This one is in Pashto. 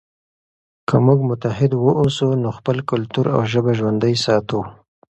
که موږ متحد واوسو نو خپل کلتور او ژبه ژوندی ساتو.